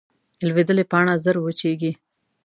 لوېدلې پاڼه ژر وچېږي